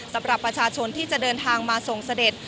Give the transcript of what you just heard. สำหรับประชาชนที่จะเดินทางมาส่งเสด็จ